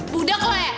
budak lo ya